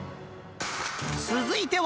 続いては。